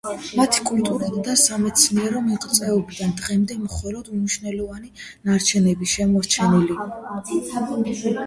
მათი კულტურული და სამეცნიერო მიღწევებიდან დღემდე მხოლოდ უმნიშვნელო ნარჩენებია შემორჩენილი.